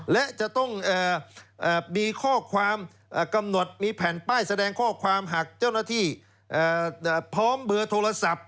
และจะต้องมีข้อความกำหนดมีแผ่นป้ายแสดงข้อความหากเจ้าหน้าที่พร้อมเบอร์โทรศัพท์